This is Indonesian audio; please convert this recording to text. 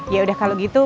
ya udah kalau gitu